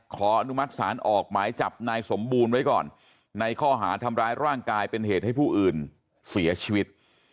ขออนุมัติศาลออกหมายจับนายสมบูรณ์ไว้ก่อนในข้อหาทำร้ายร่างกายเป็นเหตุให้ผู้อื่นเสียชีวิต